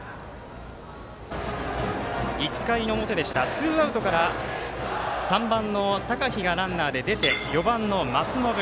１回の表、ツーアウトから３番の高陽がランナー出て４番の松延。